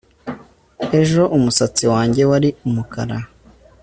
Ejo umusatsi wanjye wari umukara